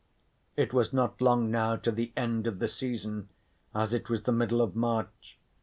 It was not long now to the end of the season, as it was the middle of March.